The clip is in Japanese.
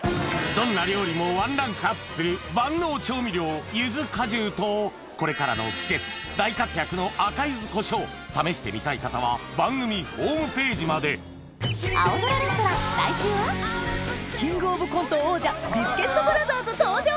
どんな料理もワンランクアップする万能調味料ゆず果汁とこれからの季節大活躍の赤ゆずこしょう試してみたい方は番組ホームページまで登場！